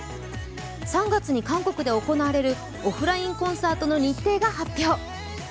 ３月に韓国で行われるオフラインコンサートの日程が発表。